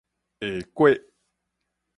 下橛